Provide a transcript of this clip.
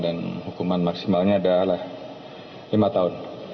dan hukuman maksimalnya adalah lima tahun